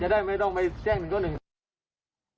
จะได้ไม่ต้องไปแจ้งหนึ่งคนหนึ่ง